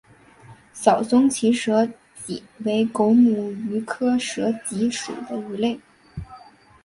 小胸鳍蛇鲻为狗母鱼科蛇鲻属的鱼类。